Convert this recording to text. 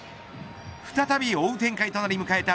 再び追う展開となり迎えた